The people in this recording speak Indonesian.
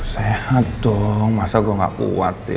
sehat dong masa gue gak kuat ya